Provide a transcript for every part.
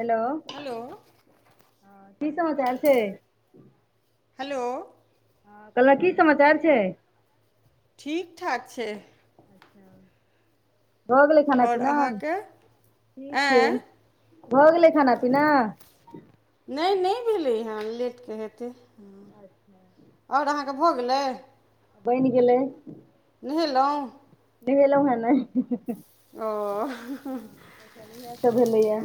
Hello! Hello हँ की समाचार छै? हेलो! कहलहूँ की समाचार छै? ठीक ठाक छै। अच्छा! भऽ गेलै खाना- आओर पीना? अहाँके ठीक छै, आँय भऽ गेलै खाना -पीना? नहि -नहि भेलै हँ, लेटके हेतै। अच्छा! त भऽ गेलै। बैइन गेलै। नेहेलहुँ? नेहेलहुँ है नैह। ओ ह बढ़िआँ तऽ भेलैया।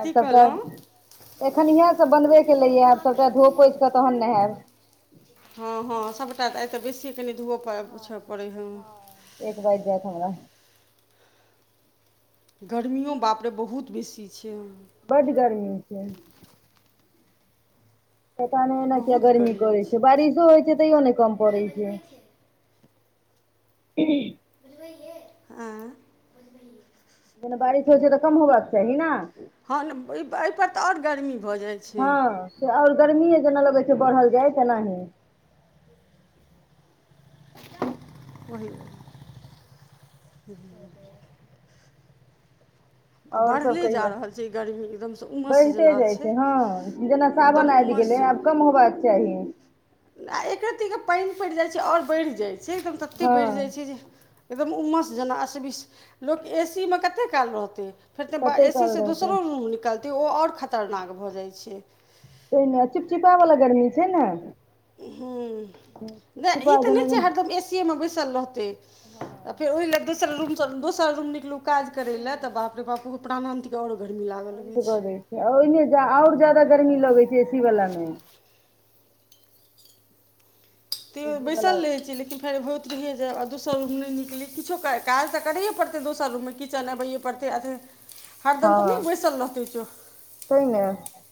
आब सभटा कहलहुँ एखन एखन इएहसभ बनबे केलैए, आब सभटा धो पोछि कऽ तहन नेहेएब। हँ, हँ, सभटा तऽ आइ तऽ बेसीए कनि धुओ पोछय पड़ै हइ। एक बैज जेत हमरा। गर्मीयो बापरे बहुत बेसी छै। बड्ड गर्मी छै। पता नय एना किया गर्मी करै छै, बारिशो होइ छै तैयो नहि कम पड़ैत छै। [inaudible] आँ [unintelligible] जेना बारिश होइ छै तऽ, कम होबाक चाही ने। हँ, नय एहिपर तऽ ओर गर्मी। भऽ जाइ छै हँ, और गर्मीए जेना लगै छै बढ़ल जाय, तेनाही। कहियौ [inaudible] [inaudible] आओर सभ बढ़ले जा कहियौ? रहल छै गर्मी एकदमसँ उमस बढ़िते जेना जाइत छै, हँ, जेना एकदम सावन आबि उमस गेलै आब। जेना कम होयबाक चाही। आ एक रतीके पानि पड़ि जाइ छै, आओर बढ़ि जाइ छै, एकदम ततेक बढ़ि जाइ हँ छै जे। एकदम उमस जेना असबीस, लोक ए सी मे कतेक काल रहतै। फेर तऽ कते ए सी काल सँ रहतै दोसरो रूम निकलतै, ओ आओर खतरनाक भऽ जाइ छै। चिपचिपा बला गरमी छै ने। हूं, इ चिपचिपा तऽ जेना नहि हँ छै हरदम ए सी ए मे बैसल रहतै। फेर ओहि ल दोसर रूम दोसर रूम निकलू काज करय लए, तऽ बाप रे बाप! प्राणांतिक आओर गरमी लागऽ अन्त लगै छै। कऽ दै ओहिमे आओर जादा गरमी लगैत छै, ए सी बला मे। ए तैयोऽ सी वला बैसल रहै छियै, लेकिन फेर होइत रहिए जे, आ दोसर रूम नै निकली, किछो काज तऽ करैये परतै दोसर रूम मे किचन अबैये परतै। हरदम त नै हँ बैसल रहतै। तै ने एना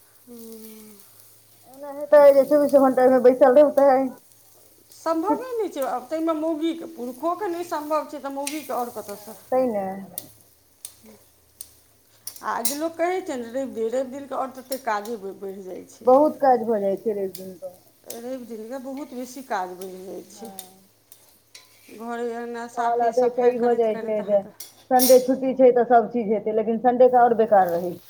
से हेतै, चौबीसो घंटा ओइमे बैसल रहतै। सम्भवे नहि छै, आब तहिमे मौगीके पुरुषो के नहि सम्भव छै तऽ, मौगी के। त और कतऽ तै ने से। और लोक कहैत छै ने रवि दिन, रवि दिन के आओर तते काजे बढ़ि जाइत छै। बहुत काज भऽ जाइत छै, रैब दिन के। रवि दिन के बहुत बेसी काज बढ़ि जाइत छै। हँ घरे तर अगना साफे कहलत एकटा -सफाइ ई भऽ करैत- जाइ करैत छै जे अहाँके! संडे छुट्टी छै तऽ सब चीज हेतै, लेकिन संडे के आओर बेकार रहै छै।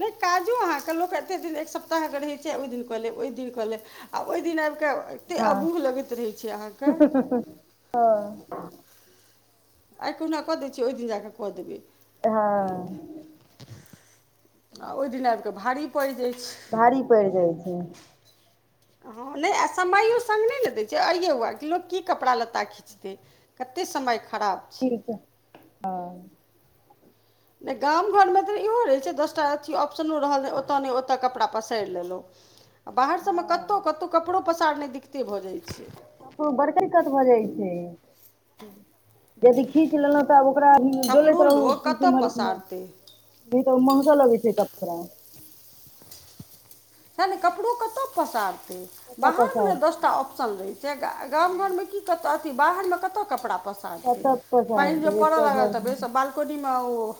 नहि काजो अहाँके लोक एतेक दिन एक सप्ताह के रहैत छै, ओहि दिन कऽ लेब, ओहि दिन कऽ लेब। आ ओहि दिन आबि कऽ छै एतेक अबूह लगैत रहैत छै अहाँके। [inaudible] हँ। आइ कहुना कऽ दै छीयै, ओहि दिन जा कऽ कऽ देबै। हँ। आ ओहि दिन आबि कऽ भारी पड़ि जाइत छै। भारी पड़ि जाइ छै। हँ नहि आ समयो संग नहि ने दै छै, अइए हौआ कि लोक की कपड़ा लत्ता खींचतै। कतेक समय खराब। ठीके छै हं। नहि गाम घरमे तऽ इहो रहैत छै, दसटा अथी ऑप्शनो रहल। ओतय नहि ओतय कपड़ा पसारि लेलहुँ। आ बाहर सभमे कतहु- हँ कतहु कपड़ो पसारनाय दिक्कते भऽ जाइत छै। ककरो बड़ दिक्कत भऽ जाइ छै। यदि खींच लेलहुँ तऽ, आब ओकरा डोलैत कपड़ो रहू लोक कतय केम्हर- केम्हर पसारतै नहि तऽ महकऽ लगै छै कपड़ा। सएह ने कपड़ो कतय पसारतै, कतऽ बाहर पसार मे ने दस टा ओ सरलै से, गा-गाम घर में की-कताऽ अथी बाहर में कताऽ कपड़ा पस कतऽ पाईन जे पसारतै पड़ऽ एकटा लागल घर त बैसऽ बा कोनी में ओ,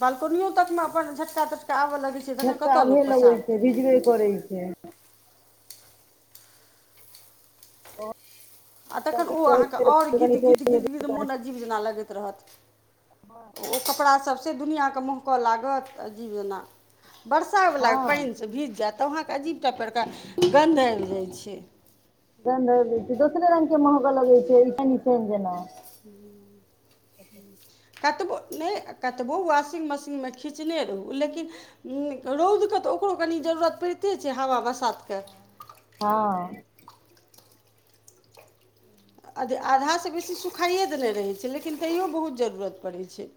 बालकोनियों तक में अपन झटका-तटका आबऽ लगै छै तखन झटका कतऽ आबहे लोक लगै छै, पसारतै भिजबे करै छै। आ तखन ओ अहाँके और गिद-गिद्-गिद्-गिद मोन अजीब जेना लगैत रहत। हं। ओ कपड़ा सब से दुनिआँके महकऽ लागत, अजीव जेना। वर्षा वला हँ पईन सँ भीज जैऽत तऽ अहाँके अजीब टा परकार गन्ध आबि जाइ छै। गंध आइब जाइ छै, दोसरे रंग के महकऽ लगै छै ईछैन-ईछैन जेना। हूंम्म। कतबो नैय, कतबो वाशिंग मशीन में खीचने रहू लेकिन रौद क तऽ ओकरो कनि जरूरत पड़िते छै, हवा-बसात के? हँ। अध-आधा से बेसी सुखाइए देऽने रहै छै, लेकिन तैयो बहुत जरूरत पड़ै छै।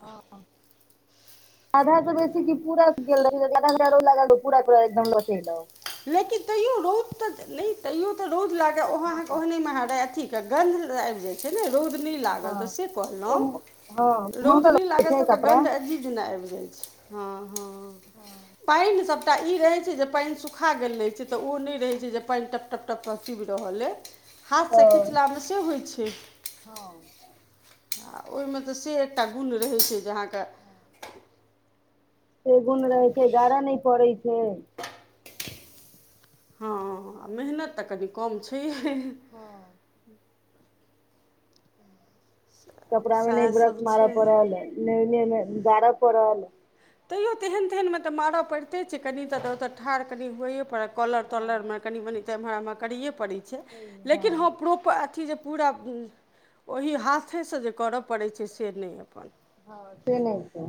हँ। आधा स बेसी की? पूरा गेल रहै [unintelligible] आधा घंटा रौद लगा दौ, पुरा-पुरा [unintelligible] लेकिन तैयो रौद तऽ नैय, तैयो तऽ रौद लागै ओहो अहाँके ओहने में हरै अथी त गन्ध ल-आइब जाइ छै ने? रौद नै लागल हँ तऽ से कहलौं। हँ महग रौद नैय लगै लागल छै तऽ ओकरा कपड़ा गंध अजीब जेना आइब जाइ छै, हँ-हँ। हँ। पाइन सबटा ई रहै छै, जे पाइन सु खा गेल रहै छै, तऽ ओ नहि रहै छै जे पइन टप-टप-टप-टप चुइब रहल अइ। हाथ सँ खिचला हँ में से होइ छै। आ ओइ में तऽ से एकटा गुण रहै छै, जे अहाँके से गुण रहै छै, गारऽ नै पड़ै छै। हँऽ, मेहनत तऽ कनि कम छैहे। हँ। कपड़ा में नै ब्रश सएहसभ मारऽ छै पड़ल, ने-ने-ने गारऽ पड़ल। तैयो तेहन तेहन में तऽ मारऽ पैड़ते छै, कनि तऽ ओतऽ ठाड़ कनि हुवैये पड़तऽ, कॉलर-तॉलर हँ में कनि-मनि तऽ एम्हर-आम्हर करैए पड़ै छै, लेकिन हँ प्रोपऽ अथि जे पूरा ओहि हाथे स जे करऽ पड़ै छै, से नै अपन। हँ, से नैय छै।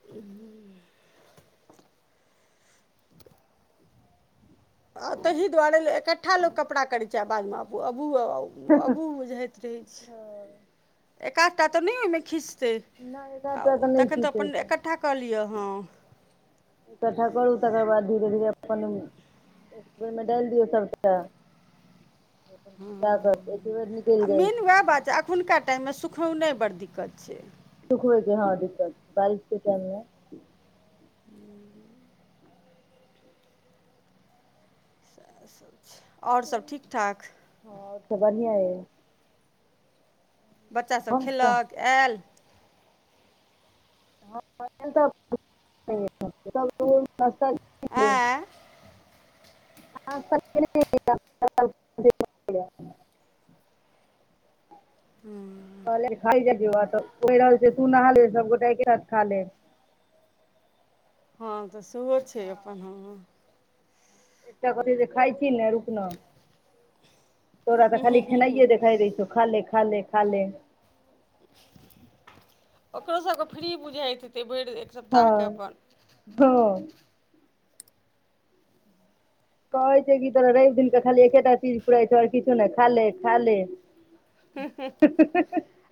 हूंम्म। आ तहि दुआरे इकठ्ठा लोक कपड़ा करै छै, आ बाद में अबू-अबूह-अ-अबूह बुझाइ दै छै, हँ एक-आध तऽ नहि ओहिमें खिस से, नहि एकटा आ तऽ नहि तखन तऽ खीचै अपन छै एकट्ठा कऽ लिअ, हँ। इकट्ठा करू तकर बाद धीरे-धीरे अपन एक बेर में डाइल दियौ सभटा अपन सुखा क एके बेर निकैल जाइ छै। खुनका टाइम में सुखौने बड़ दिक्कत छै। सुखबै के हँ दिक्कत, बारिश के टाइम में हं। सैह सब छै, और सब ठीक-ठाक? हँ और सब बढ़ियां अय। बच्चा सब हम तऽ खेलक? ऐऽल? तऽ, त तऽ ऐं नाश्ता केने रही ये ह हूं कहलियै खा लैय जाई जो आ तऽ कैही रहल छैय नहा ले सोबगोटा एके साथ खा लेब हँ तऽ सेहो छैय अपन हँ एकटा कहतै जे खाय छी ना रुक न तोरा तऽ खाली खेनाइये देखाई दैय छौ खाले-खाले-खाले ओकरो सबके फ्री बुझाइत हैतै भइर दिन हाँ-हँ कहै छै कि तोरा रैइब दिन क खाली एकेटा चीज फुराई छौउ और किछु नहि खाले-खाले ह-ह-ह-ह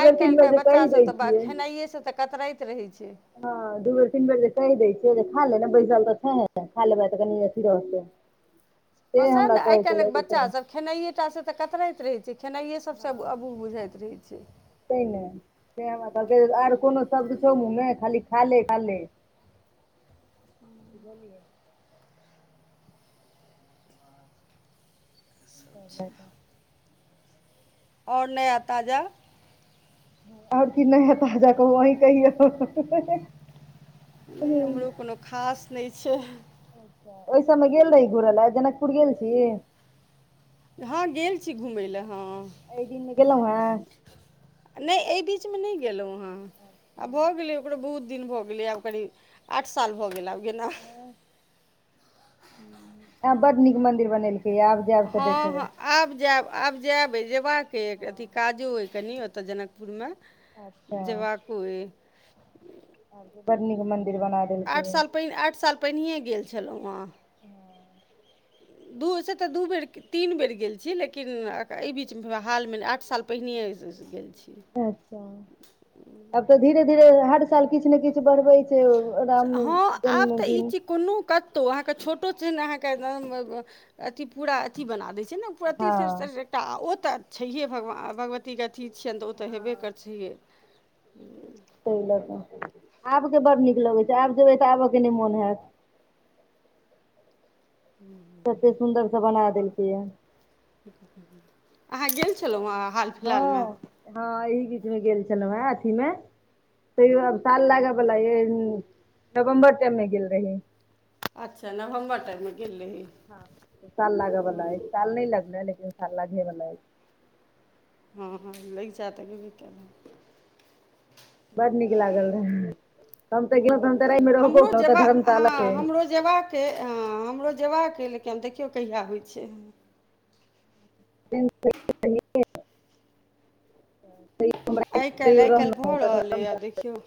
आइ काइल के बच्चा सब तऽ छियै खेनाइए सँ तऽ कतराइत रहै छैय हँ दू बेर तीन बेर जे कहि दय छियै खा ले ने बैसल तऽ छै खा लेबै तऽ कनि रहतो पसंद आई बच्चा तोरा सब काईल खेनाइए टा स तऽ कतरइ त रहै छैय खेनाइए सब स अबूह बुझाइत रहै छैय तय न से हमरा कहल के आर कोनो शब्द छौउ मुँह मे खाली खाले खाले बुझलियै त ला और नया ताजा और कि नया ताजा कहू आहि कहियो, ह, नहि ह हमरो कोनो खास नयि छैय अच्छा ओहि सबमे गेल रही घुरैय लैए जनकपुर गेल छी हँ गेल छी घुमय लए हँ एहि दिन मे गेलहुँ हे नैय एय बीच में नहि गेलहुँ हँ आब भऽ गेलै ओकरो बहुत दिन भऽ गेलैय आब करीब आठ साल भऽ गेल आब गेना हँ ह आब बड़ नीक मंदिर बनेलकै यए आब जायब तऽ हँ देखबै हँ आब जैब आब जैब जैबाक एइ अथी हँ काजो एइ कनि ओतय जनकपुरमे अच्छा जेबाको एय बड़ नीक मंदिर बना देलकैय आठ साल पहिनैए गेल छैलहुँ हँ ह दू से तऽ दू बेर तीन बेर गेल छीय लेकिन एहि बीच हालमे आठ साल पहिन गेल छीय अच्छा आब तऽ धीरे धीरे हर साल किछ ने किछ बढ़बै से राम जन्मदिन कुनू कतो अहाँके छोटो छिन अहाँके अथी पूरा अथी बना दैय छैय ना प्रति हँ स एकटा ओ तऽ छैहे भगवान भगवतीके अथी छियनि तऽ ओ तऽ हेबे कर छैहे ताहि लऽ कऽ, आबके बड् नीक लगैत छै आब जेबै तऽ आबके नै मोन हैत। हुं। एते सुंदर से बना देलकै ये आँहा गेल छलहुँ हँ। हाल फिलहालमे हँ हँ एहि बीचमे गेल छलहुँ हे अथि मे तैयो आब साल लागे बला ये नवम्बर तक मे गेल रही। अच्छा नवम्बर टा में गेल रही हँ साल लागऽ वला अछि साल नै लगलें लेकिन साल लागे वला अछि। हँ लगिचा त गेबे कैले। बड नीक लागल रहे, हम तऽ गेलहुँ तऽ हम ते राति में रहबो हमरो केलहुँ, ओतऽ जेबा धर्मशाला हँ छै। हमरो जेबाक अछि, हँ हमरो जेबाक अछि लेकिन आब देखियौ कहिया होइ छै। [unintelligible] त [unintelligible] आइ काल्हि आइ काल्हि भऽ रहल अछि आब देखियौ,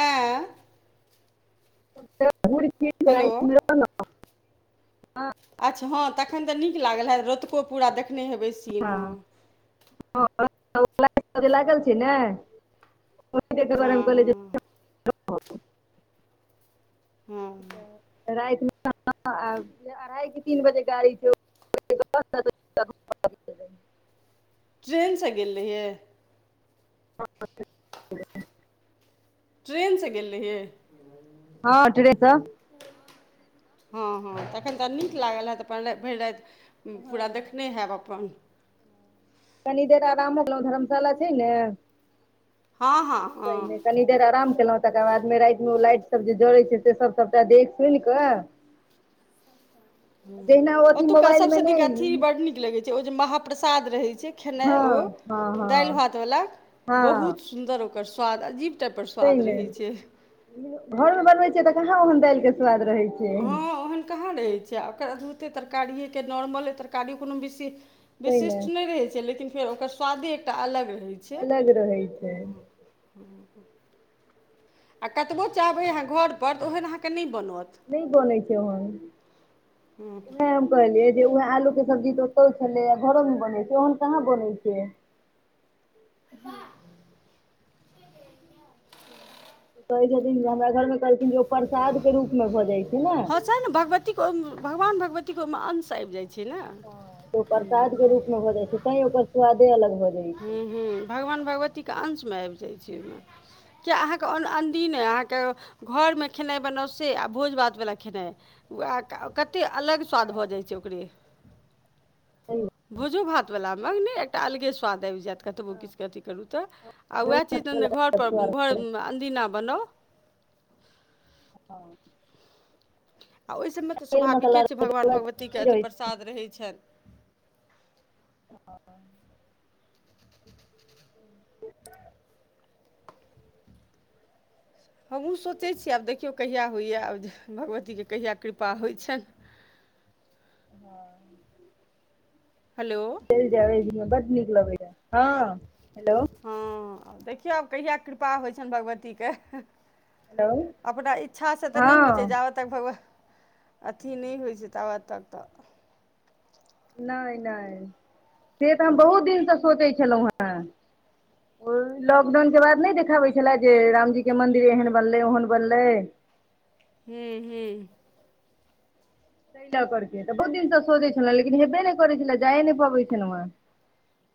आँ खी हेलो [inaudible] अच्छा हं तखन तऽ नीक लागल हैत रतुको पूरा देखने हेबै। हँ हँ जे लागल छै ने। ओकरे दुआरे हम हँ कहलियै हँ जे हँ त रातिमे ह अढ़ाइ से तीन बजे गाड़ी छै, ट्रेन से गेल रहियै? [inaudible] ट्रेनसँ गेल रहियै? हँ ट्रे सं। हँ हँ तखन तऽ नीक लागल हेत त अपन राति भरि राति पूरा देखने हैब अपन। कनी देर आरामो केलहुं धर्मशाला छै ने। हँ हँ। तैय हँ मे कनि देर आराम केलहुं तकर बाद मे राति मे ओ लाइट सब जे जड़ै छै से सब सबटा देख सुन कऽ [inaudible] अथी ओतुका मोबाइल मे सभसँ नीक नहि अथि बड् नीक लगैत छै ओ जे महाप्रसाद रहै छै खेनाइ ओ हँ हँ दालि हँ भातवला हँ बहुत सुन्दर ओकर स्वाद अजीब टाइपर तै स्वाद ने रहै छै। घरमे बनबैत छियै तऽ कहाँ ओहन दालिके स्वाद रहै छै। हँ ओहन कहाँ रहै छै आ ओकर अद्भुते तरकारिएके नॉर्मले तरकारी कोनो बिशे तै ने विशिष्ट नहि रहय छै लेकिन फेर ओकर स्वादे एकटा अलग रहै। छै अलग आ रहै छै। [inaudible] आ कतबो चाहबै अहाँ घरपर तऽ ओहन अहाँके नै बनत। नैय बनै छै ओहन वैह कहलियै जे वैह आलू के सब्जी तऽ ओतौ छलै घरो मे बनै छै ओहन कहाँ बनै छै। हुँ [inaudible] कहै छथिन जे हमरा घर मे कहलखिन जे ओ प्रसाद के रूप मे भऽ जाइ छै ने। हँ से न भगवती के भगवान भगवती के अंश आबि जाय छनि। ह त ओ प्रसाद के रूप मे हो जाइ छै तैंय ओकर स्वादे अलग हो जा छैय। हुँ हुँ भगवान भगवतीके अंशमे आबि जाइत छै ने। किए अहाँके अन अनदीने अहाँके घरमे खेनाइ बनौउ से आ भोज भातवला खेनाई कतेक अलग स्वाद भऽ जाइ छै ओकरे। भोजो भातवला मे नहि एकटा अलगे स्वाद आबि जायत। कतबो किछुके अथि करू तऽ आ वैह चीज घर पर अनदीना बनाउ [inaudible] आ ओहिसभमे तऽ तेल मसाला स्वाभाविके छै भगवान भगवतीके अथि रहै प्रसाद रहैत छनि। [inaudible] हमहुँ सोचै छी आब देखियौ कहिया होइए आब जे भगवतीके कहिया कृपा होइ छैन। हँ। हलो। चलि जायब दिन बड नीक लगेया हँ हेलो। हँ देखियौ आब कहिआ कृपा होइ छनि भगवतीके। हेलो अपना इच्छा से तऽ नहि होइ छै हँ जाबत तक भगवह, अथि नहि होइ छै ताबत तक तऽ। नै नै से तऽ हम बहुत दिनसँ सोचै छलहुँ हेँ। लॉकडाउन के बाद नहि देखाबै छले जे रामजी के मंदिर एहन बनलै ओहन बनलै। हुं हुं। त लऽ करके तऽ बहुत दिनसँ सोजै छलहु लेकिन हेबे नहि करै छलै जाइए नहि पबै छलहु हें।